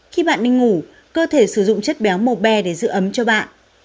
khi bạn đi ngủ cơ thể sử dụng chất béo màu bé để giữ ấm cho bạn